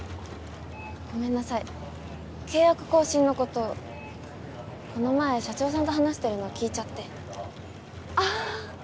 ごめんなさい契約更新のことこの前社長さんと話してるの聞いちゃってああ